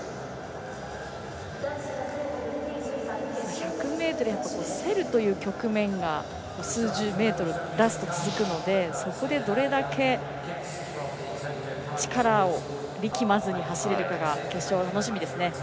１００ｍになると競るという局面が数十メートル、ラストに続くのでそこでどれだけ力まずに走れるかが決勝では楽しみです。